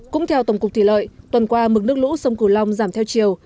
cũng theo tổng cục thủy lợi tuần qua mực nước lũ sông cửu long giảm theo chiều